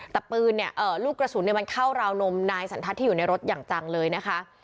แต่ปืนเนี่ยลูกกระสุนมันเข้าราวนมนายสันทัศน์ที่อยู่ในรถอย่างจังเลยนะคะ